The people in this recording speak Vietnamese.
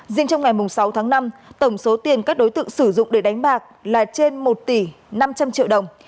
riêng trong ngày sáu tháng năm tổng số tiền các đối tượng sử dụng để đánh bạc là trên một tỷ năm trăm linh triệu đồng